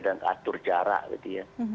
dan atur jarak gitu ya